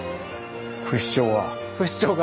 不死鳥が。